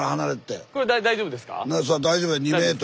大丈夫や。